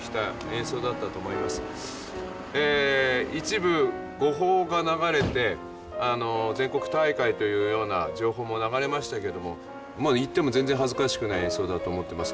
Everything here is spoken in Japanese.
一部誤報が流れて全国大会というような情報も流れましたけどももう行っても全然恥ずかしくない演奏だと思ってます。